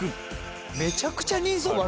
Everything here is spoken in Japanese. めちゃくちゃ人相悪いな。